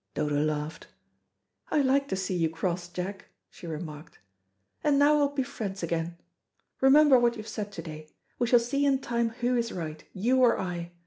Dodo laughed. "I like to see you cross, Jack," she remarked, "and now we'll be friends again. Remember what you have said to day we shall see in time who is right, you or I.